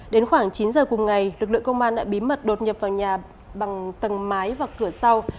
đến khoảng chín giờ cùng ngày lực lượng công an đã bí mật đột nhập vào nhà bằng tầng mái và cửa sau